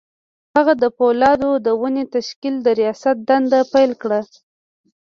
هغه د پولادو د نوي تشکیل د رياست دنده پیل کړه